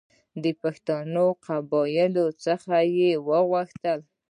له پښتني قبایلو څخه وغوښتل.